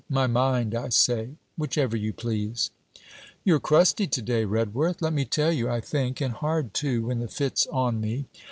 'My mind, I say.' 'Whichever you please.' 'You're crusty to day, Redworth. Let me tell you, I think and hard too, when the fit's on me.